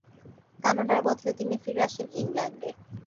কানাডার বদলে তিনি ফিরে আসেন ইংল্যান্ডে।